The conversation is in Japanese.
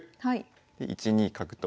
で１二角と。